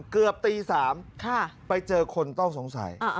เกือบตี๓ไปเจอคนต้องสงสัย